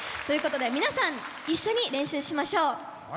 ということで皆さん一緒に練習しましょう。